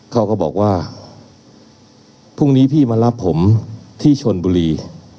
เขาก็บอกว่าพรุ่งนี้พี่มารับผมที่ชนบุรี